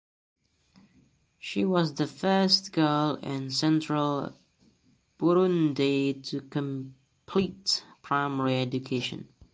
She was the first girl in central Burundi to complete primary education.